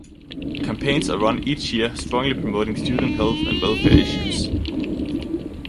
Campaigns are run each year strongly promoting student health and welfare issues.